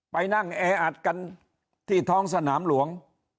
ไปนั่งแออัดกันที่ท้องสนามหลวง